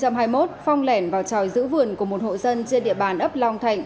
phong lẻn vào tròi giữ vườn của một hộ dân trên địa bàn ấp long thạnh